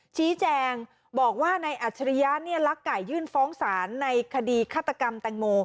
ชี้แจงบอกว่านายอัจฉริยะลักไก่ยื่นฟ้องศาลในคดีฆาตกรรมแตงโม